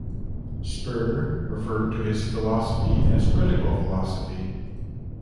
Spir referred to his philosophy as "critical philosophy".